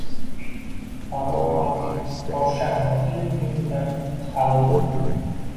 Rauf Parfiy Chorsham Ro’ziyevning uyidan chiqarildi.